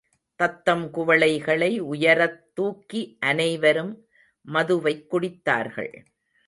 தத்தம் குவளைகளை உயரத்துக்கி அனைவரும் மதுவைக் குடித்தார்கள்.